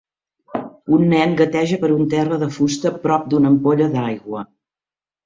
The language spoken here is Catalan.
Un nen gateja per un terra de fusta prop d'una ampolla d'aigua.